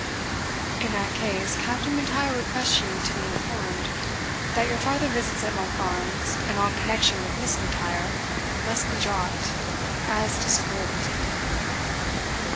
"In that case, Captain M'Intyre requests you to be informed, that your farther visits at Monkbarns, and all connection with Miss M'Intyre, must be dropt, as disagreeable to him."